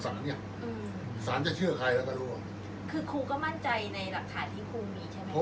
อันไหนที่มันไม่จริงแล้วอาจารย์อยากพูด